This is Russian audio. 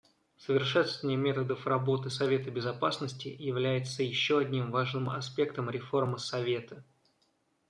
Совершенствование методов работы Совета Безопасности является еще одним важным аспектом реформы Совета.